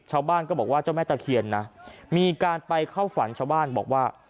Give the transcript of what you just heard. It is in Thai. ชาวบ้านก็บอกว่าเจ้าแม่ตะเคียนนะมีการไปเข้าฝันชาวบ้านบอกว่า